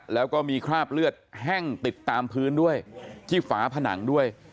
แล้วก็มีคราบเลือดแห้งติดตามพื้นด้วยที่ฝาผนังด้วย